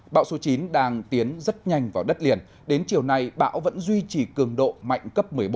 bão số chín đang tiến rất nhanh vào đất liền đến chiều nay bão vẫn duy trì cường độ mạnh cấp một mươi bốn